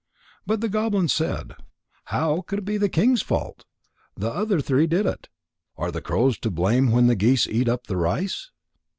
But the goblin said: "How could it be the king's fault? The other three did it. Are the crows to blame when the geese eat up the rice?"